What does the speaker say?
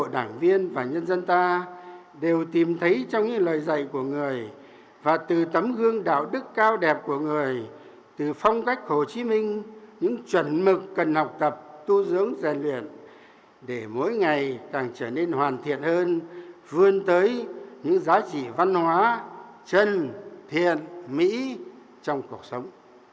mỗi cán bộ đảng viên và nhân dân ta đều tìm thấy trong những lời dạy của người và từ tấm gương đạo đức cao đẹp của người từ phong cách hồ chí minh những chuẩn mực cần học tập tu dưỡng rèn luyện để mỗi ngày càng trở nên hoàn thiện hơn vươn tới những giá trị văn hóa chân thiền mỹ trong cuộc sống